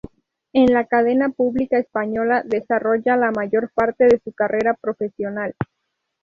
En la cadena pública española desarrolla la mayor parte de su carrera profesional.